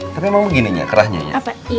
tapi memang begininya kerahnya ya